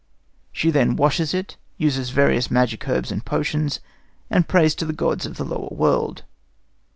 She then washes it, uses various magic herbs and potions, and prays to the gods of the lower world.